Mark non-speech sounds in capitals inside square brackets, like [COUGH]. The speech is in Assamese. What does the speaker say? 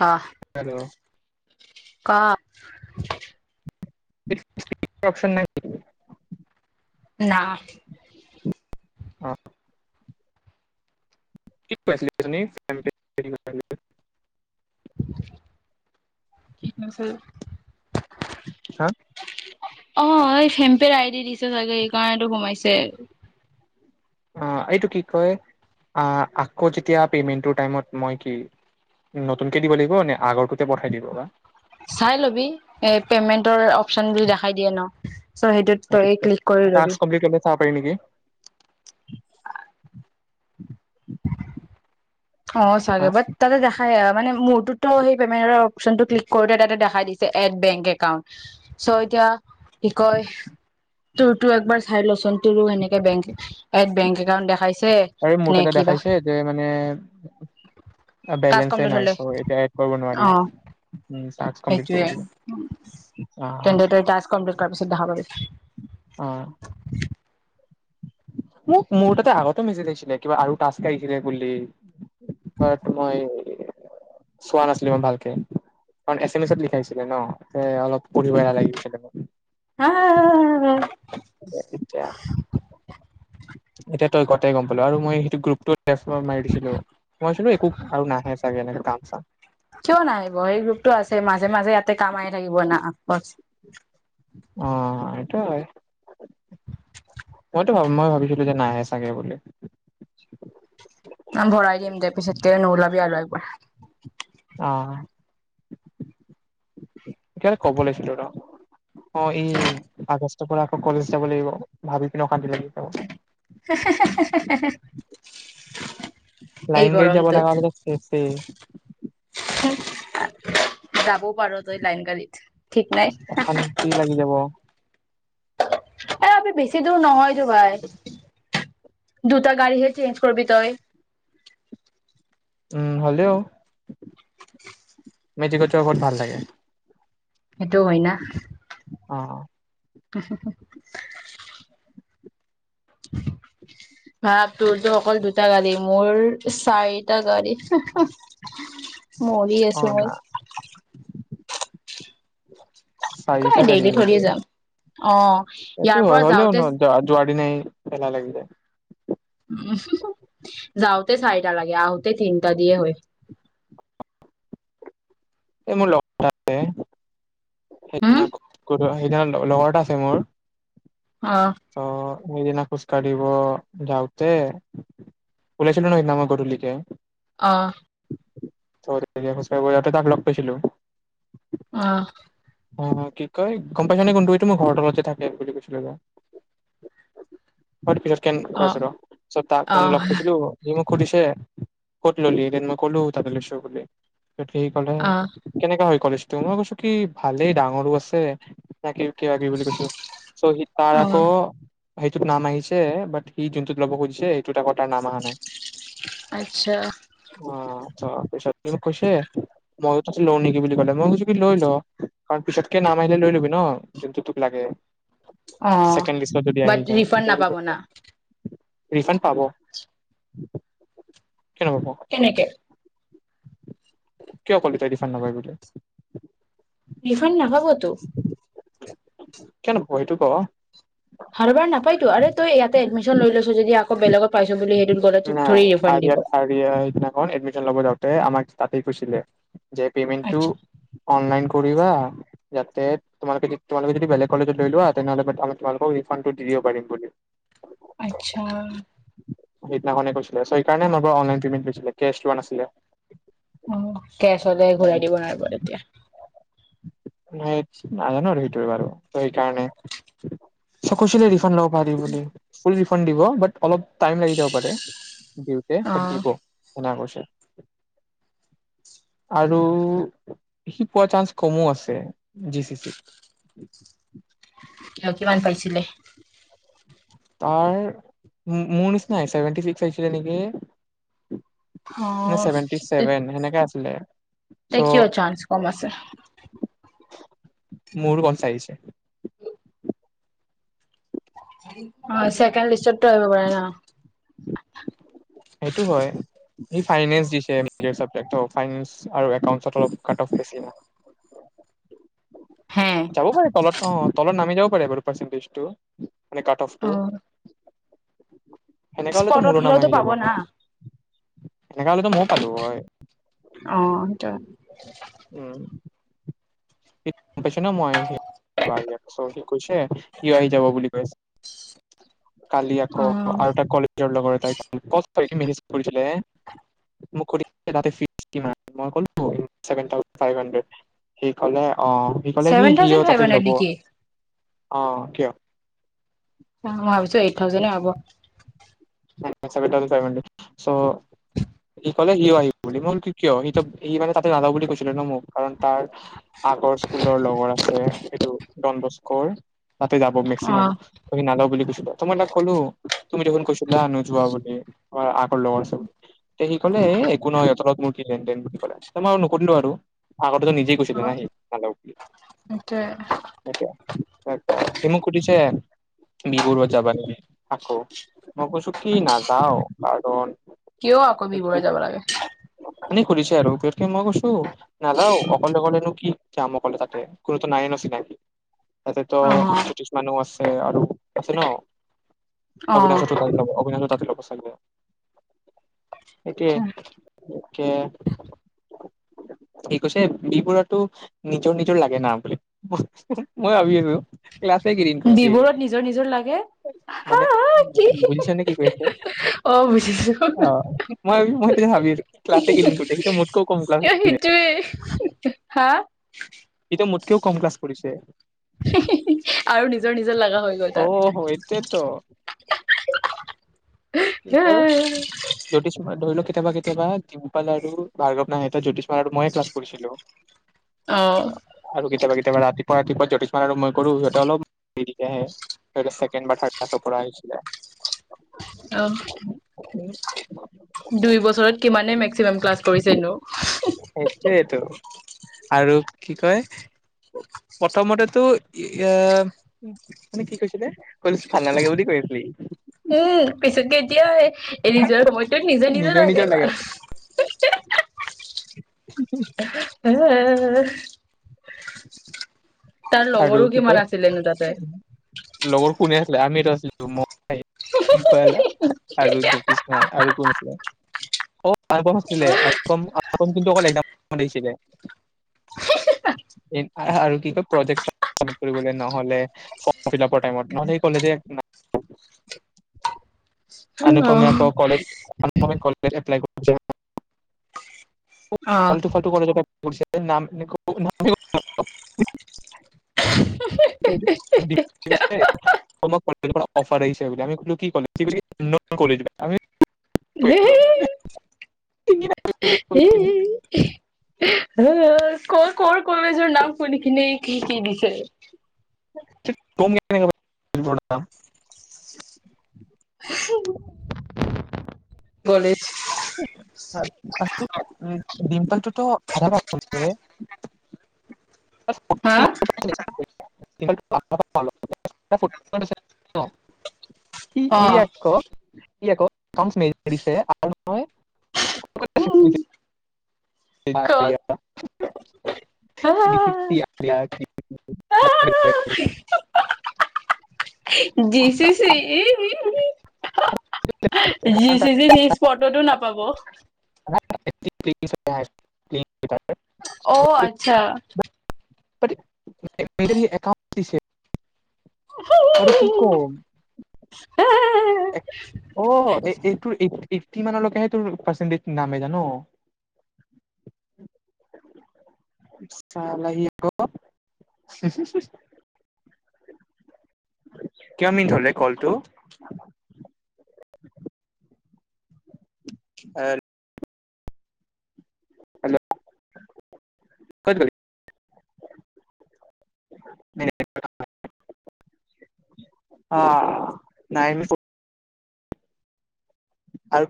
ক হেল্ল' ক অপশ্ন নাই না অ'। [UNINTELLIGIBLE] [UNINTELLIGIBLE] হা? অ', এই ফেম্পে আইডি দিছে চাগে সকাৰণেটো সোমাইছে অ', এইটো কি কয় আ আকৌ যেতিয়া পেমেন্টৰ টাইমত, মই কি নতুনকে দিব লাগিব নে আগৰটুতে পঠাই দিব বা? চাই ল'বি এ পেমেন্টৰ অপচন বুলি দেখাই দিয়ে ন। চ' সেইটোত সেইটো তই কত ক্লিক কৰি লবি টাস্ক কমপ্লিট কৰিলে চাব পাৰি নেকি? [INAUDIBLE] অ' চাগে হা বাট তাতে দেখােই মানে মোৰতোত পেমেণ্ট অপচন ক্লিক কৰোতে তাতে দেখা দিছে এড বেং একাউণ্ট চৌএতিয়া কিকয় তোৰতো এক বা চাই ল চোন। তোৰো সেনেকে বেং এড বেংক একাউণ্ট দেখাইছে আৰু মোৰ নে তাতে কিবা? দেখাইছে যে মানে তাকছ বেলেঞ্চে নাই হলে চ' এতিয়া এড কৰিব নোৱাৰি আহ উম, টাস্ক কমপ্লিট কৰিব সেইটোৱে দিব অ, তেন্তে তিই টাকছ কমপ্লিট কৰাৰ পিছত দেখা অ, পাবি মোক মোৰ তাতে আগতেও মেছেজ আহিছিলে কিবা আৰু টাস্ক আহিচিলে বুলি। বাট মই চোৱা নাছিলো মই ভালকে, কাৰণ এছ এম এছত লিখাইছিলে তে অলপ পঢ়িব এলাহ লাগি গৈছিল মোক। এতিয়া [UNINTELLIGIBLE] এতিয়া তই গটে গম পালো আৰু মই সেইটো গ্ৰুপতোত তেজপুৰত মাৰি দিছিলো, [UNINTELLIGIBLE] একো আৰু নাহে লাগে নেকি কাম চাম। কিয় নাহিব, সেই গ্ৰুপটো আছে মাজে-মাজে ইয়াতে কাম আহি থাকিব না অঁ সেইটো হয়, মইতো ভা মই ভাবিছিলো যে নাহে চাগে বুলি। নাম ভৰাই দিম দে পিছতকে নোলাবি আৰু একবাৰ। অঁ, কিবা এটা ক'ব লৈছিলো ৰ। অঁ ই আগষ্টৰ পৰা আকৌ কলেজ যাব লাগিব। ভাবি কিনে অশান্তি লাগি যাব। [UNINTELLIGIBLE] এই লাইনগাৰিত যাব গৰমটোত লগা হ'লে টো ছেছে। [UNINTELLIGIBLE] যাব পাৰ তই লাইন গাড়ীত, ঠিক নাই অশান্তি লাগি যাব এ [UNINTELLIGIBLE] বেছি দূৰ নহয়তো ভাই, দুটা গাড়ীহে চেঞ্জ কৰবি তই। উম হলেও, মেজিকত যাব বহুত ভাল লাগে। সেইটো হয় না। অ [UNINTELLIGIBLE] ভাব তোৰটো অকল দুটা গাড়ী মোৰ চাৰিটা গাড়ী [UNINTELLIGIBLE] মৰি অ আছো না মই। চাৰিটা নাই গাড়ী ডেইলি [UNINTELLIGIBLE] থৰিয়ে যাম অ সটো ইয়াৰ পৰা হয় হ'লেও যাওঁতে ন জোৱা দিনাই এলাহ লাগি যায়। [UNINTELLIGIBLE] যাওঁতে চাৰিটা লাগে, আহোতে তিনিটা দিয়ে হয়। এই মোৰ [UNINTELLIGIBLE] তে হম সেইদিনা সেইদিনা লগৰ এটা আছে মোৰ। অ ত সেইদিনা খোজকাঢ়িব যাওঁতে, উলাইছিলো ন সেইদিনা মই গধূলিতে। অ [UNINTELLIGIBLE] কৈছিলো। অঁ। অঁ অঁ কি কয় গম পাইচা নে কোনটো এইটো মোৰ ঘৰ তলতযে থাকে বুলি কৈছিলো মই, [UNINTELLIGIBLE] এটো পিছত [UNINTELLIGIBLE] অ কৈছোঁ ৰ, চ' তাক মানে অ', লগ পাইছিলো, সি মোক সুধিছে ক'ত ললি বুলি মই কলো লৈছো বুলি ঠিক হ'লে কেনেকা হয় কলেজটো মই কৈছো কি ভালেই ডাঙৰো আছে তাকে [UNINTELLIGIBLE] বুলি কৈছো চ সি তাৰ অ', আকৌ সেইটোত নাম আহিছে বাট সি যোনটোত ল'ব খুজিছে সেইটোত আগত তাৰ নাম অহা নাই আচ্ছা। ছ ক ম [UNINTELLIGIBLE] লওঁ নেকি বুলি কলে। [UNINTELLIGIBLE] লৈ ল কাৰণ পিছতকে নাম আহিলে লৈ লবি ন যোনটো তোক লাগে অ ছেকেণ্ড লিষ্টত যদি আহি বাট যায় ৰিফাণ্ড তেতিয়া সি নাপাব কৈছে না ৰিফাণ্ড পাব কিয় নাপাব কেনেকে কিয় কলি তই ৰিফানঃ নাপাই বুলি। ৰিফাণ্ড নাপাবতো কিয় নহব এইটো ক হবাৰ নাপাই তো আৰে তই ইয়াতে এডমিশন লৈ লৈছো যদি আকৌ বেলেগত পাইছো বুলি নাই হেৰি আৰিয়াত [UNINTELLIGIBLE] আৰিয়া সিদিনাখন এডমিশন ল'ব যাওঁতে আমাক তাতেই কৈছিলে যে পেমেণ্টটো আচ্ছা, অনলাইন পঢ়িবা যাতে তোমালোকে যদি বেলেগ কলেজত লৈ লোৱাা তেনেহলে আমি তোমালোকক ৰিফাণ্ডটো দি দিব পাৰিম বুলি আচ্ছা সেইদিনাখনে কৈছিলে সেইকাৰণে মানুহ অনলাইন পেমেণ্ট লৈছিলে কেছ লোৱা নাছিলে। সদায় ঘূৰাই দিব নোৱাৰিব তেতিয়া। [UNINTELLIGIBLE] [UNINTELLIGIBLE] সেইকাৰণে লব পাৰিম বুলি দ দিউতে [UNINTELLIGIBLE] অ', শুনা গৈছে আৰু সি পোৱা চান্স কমো আছে জি চি চি আৰু কি ইমান পাইছিলে তাৰ মোৰ নিচিনাই ছেভেনটি চিক্স আহিছিলে নেকি? নে অ', ছেভেনটি ছেভেন সেনেকা আছে [UNINTELLIGIBLE] এতিয়া কিয় চান্স কম আছে। মোৰনো কনচা আহিছে অ ছেকেণ্ড লিষ্টতটো আহিব পাৰে ন [INAUDIBLE] সেইটো হয় সি ফাইনেঞ্চ দিছে ফাইনেঞ্চ আৰু একাউণ্টচত অলপ কাট অফ বেছি মানে হে। যাব পাৰে তলত অ তলত নামি যাব বাৰু পাৰ্চণ্টেজটো মানে কাট অফটো অ', সেনেকা হলে তো স্পটত মোৰো নাম হ'লেওতো আহি যাব পাব না তেনেক হলেতো ময়ো পালো হয় অ', সেইটোৱে। উম [INAUDIBLE] পাইছ ন মই সি চৰি কৈছে সিও আহি যাব বুলি কৈছে কালি আকৌ অ', আৰু এটা কলেজৰ লগৰ এটাই [UNINTELLIGIBLE] মোক সুধিছিলে তাতে ফিজ কিমান? মই কলো ছেভেন থাউজেণ্ড ফাইভ হাণ্ড্ৰেড। কলে অ সি ক'লে কি ছেভেন সিও থাউজেণ্ড ফাইভ তাতে হাণ্ড্ৰেড ল'ব নেকি? অ কিয় অ মই ভাবিছো এইট থাউজেণ্ডে হব ছেভেন থাউজেণ্ড ফাইভ হাণ্ড্ৰেড চ' সি কলে সিও আহি বুলি মই কিয় সি সি মানে তাতে নাজাও বুলি কৈছিলে ন মোক কাৰণ তাৰ আগৰ স্কুলৰ লগৰ আছে এইটো ডন বস্কৰ তাতে যাব অ মেক্সিমাম তুমি নাজাও বুলি কৈছিলে ত মই তাক ক'লো তুমি দেখোন কৈছিলা নোযোৱা বুলি বা আগৰ লগৰ সি কলে এ একো নহয় সিহঁতৰ লগত মোৰ কি লেনদেন বুলি ক'লে মই নুসুধিলো আৰু আগত নিজেই কৈছিলে ন সি নাজাও বুলি সেইটোয়ে সেইটো সি মোক সুধিছে বি বৰুৱাত যাবা নেকি আকৌ মই কৈছো কি নাযাও কাৰণ কিয় আকৌ বি বৰুৱা যাব লাগে এনেই সুধিছে আৰু পিছত মই কৈছো নাজাও অকলে অকলেনো কি যাম অকলে তাতে কোনোতো নাই ন চিনাকি ইয়াতেতো অ জ্যোতিষমানো আছে আৰু আছে ন অ আভিনাচ তাত পাব চাগে সেইটো তাকেকৈছে বি বৰুৱা নিজৰ নিজৰ লাগে না বুলি মই ভাবি আছো ক্লাছ বিবোৰত নিজৰ নিজৰ লাগে বুজিছে নে কি কৰিছে অ বুজিছো আহ মই ভাব মই ভাবি ক্লাছে কেইদিন কৰিছেয়া মোতকৈও কম এ সেইটোৱে হা ক্লাছে মোতকেও কম ক্লছ কৰিছে হে হে আৰু নিজৰ নিজৰ লগা হৈ গল তাত অ', এইটোৱেতো কি হয় জ্যোতিষময় ধৰি লওক কেতিয়াবা কেতিয়াবা দিমপল আৰু ভাৰ্গৱ নাহে। ত জ্যোতি মইয়ে ক্লাছ কৰিছিলো। অ আৰু কেতিয়াবা ক- কেতিয়াবা ৰাতিপুৱা ৰাতিপুৱা জ্যোতিস্মান আৰু মই কৰো সিহঁতে অলপ দেৰিকে আহে, ধৰিল ছেকেণ্ড বা থাৰ্ড ক্লাছ পৰা হৈছিলে আহ মেক্সিমাম ক্লাছ কৰিছেনো সেইটোৱেইটো, আৰু কি কয়? প্ৰথমতেতো এ মানে কি কৈছিলে? কলেছ ভাল নালাগে বুলি কৈছিলি ই উম পিছত কেতিয়া এই নিজৰ সময়টোত নিজে নিজে নিজৰ যায়গে বাল হি [UNINTELLIGIBLE] উ [UNINTELLIGIBLE] তাৰ আৰু লগৰো কি কিমান কয় আছিলেনো তাতে? লগৰ কোনে আছিলে? আমিতো আছিলো। মই আৰু জ্যোতিস্মান আৰু কোন আছিলে? [UNINTELLIGIBLE] অ আল আছিলে কি অছিলে আৰু কি কয় প্ৰজেক্ট চাবমিট্ কৰিবলৈ নহ'লে, ফ্ৰমফিলাপৰ টাইমত নহ'লে কলেযে আনুপমে অ আকৌ কলেজ অনুপমে কলে এপ্লাই কৰি কৰ আল্তু ফাল্তু কলেজ পা কৰিছে অফাৰ আহছে বুলি আমি [UNINTELLIGIBLE] কি কলে সি কলেজ আমি [UNINTELLIGIBLE] কৈছো [UNINTELLIGIBLE] অ [UNINTELLIGIBLE] হিঃ হিঃ ক কৰ কলেজৰ নাম শুনি কিনে কি কি দিছে [UNINTELLIGIBLE] কম কেনেকে [UNINTELLIGIBLE] কলেজ ডিম্পলটোতো আ [UNINTELLIGIBLE] একো হা বুজি নাপাওঁ [UNINTELLIGIBLE] সি অ ই আকৌ [UNINTELLIGIBLE] সি আকৌ আৰু [UNINTELLIGIBLE] ক'ত একো বুজি নেপাই [UNINTELLIGIBLE] ডি চি চি ই ই জি চি জি চিচ স্পটতো নাপাব। [INAUDIBLE] অ' আচ্ছা। [UNINTELLIGIBLE] একাণ্ড দিছে, মই তোক কি কম। অ' এ-এইটোৰ এইট-এইটটি মানলকেহে তোৰ পাৰ্চেনটেজ নামে জান', [UNINTELLIGIBLE] কিমান মিনট হল ৰে কলটো? এল। হেল্ল' কত গলি? [UNINTELLIGIBLE] অ' নাইম [UNINTELLIGIBLE] আও